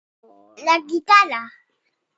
La guitarra